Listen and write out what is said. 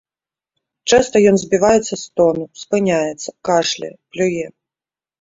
Часта ён збіваецца з тону, спыняецца, кашляе, плюе.